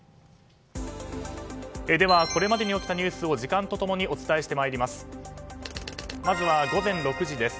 ではこれまでに起きたニュースを時間と共にお伝えしてまいります。